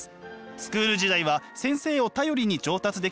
スクール時代は先生を頼りに上達できました。